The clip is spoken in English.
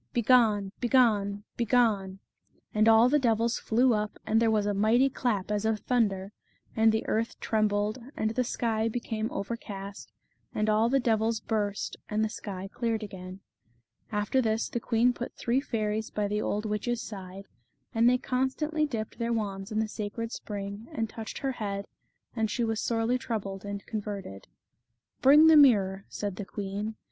Begone! begone! begone !" And all the devils flew up, and there was a mighty The Fairy of the Dell. 37 clap as of thunder, and the earth trembled, and the sky became overcast, and all the devils burst, and the sky cleared again. After this the queen put three fairies by the old witch's side, and they constantly dipped their wands in the sacred spring, and touched her head, and she was sorely troubled and converted. " Bring the mirror," said the queen.